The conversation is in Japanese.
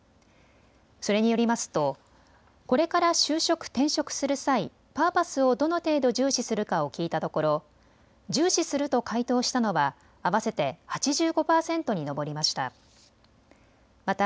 それによりますと、これから就職、転職する際、パーパスをどの程度、重視するかを聞いたところ重視すると回答したのは合わせて８５％に上りました。